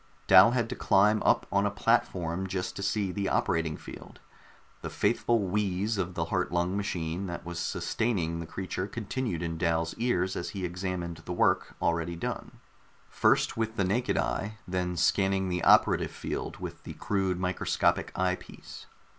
Dal had to climb up on a platform just to see the operating field; the faithful wheeze of the heart lung machine that was sustaining the creature continued in Dal's ears as he examined the work already done, first with the naked eye, then scanning the operative field with the crude microscopic eyepiece.